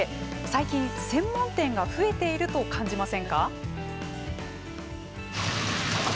最近専門店が増えていると感じませんか？